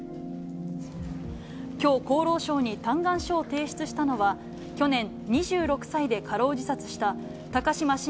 きょう厚労省に嘆願書を提出したのは、去年、２６歳で過労自殺した、高島晨